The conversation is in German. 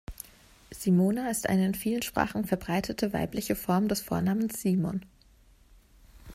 Simona ist eine in vielen Sprachen verbreitete weibliche Form des Vornamens Simon.